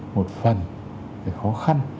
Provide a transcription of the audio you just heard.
một phần cái khó khăn